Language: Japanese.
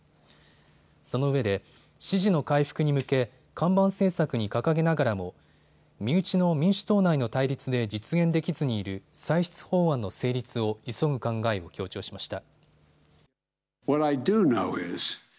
そのうえで支持の回復に向け看板政策に掲げながらも身内の民主党内の対立で実現できずにいる歳出法案の成立を急ぐ考えを強調しました。